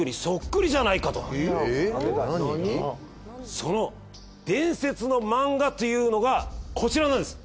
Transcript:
その伝説の漫画というのがこちらなんです。